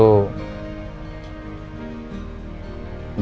masih belum stabil